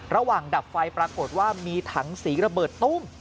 ดับไฟปรากฏว่ามีถังสีระเบิดตุ้ม